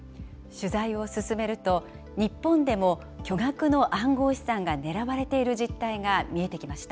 取材を進めると、日本でも巨額の暗号資産が狙われている実態が見えてきました。